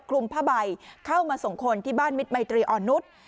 คลุมผ้าใบเข้ามาส่งคนที่บ้านมิตรมัยตรีอ่อนนุษย์